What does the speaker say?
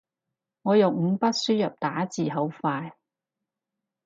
我用五筆輸入打字好快